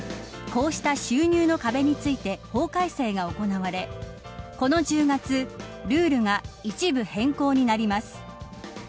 こうした収入の壁について法改正が行われこの１０月ルールが一部変更になります。